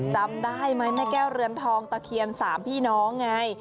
จำได้ไหมแม่แก้วเรือนทองตะเคียน๓พี่น้องไง